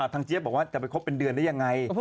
เจี๊ยบบอกว่าจะไปคบเป็นเดือนได้ยังไง